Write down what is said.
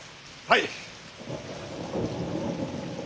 はい！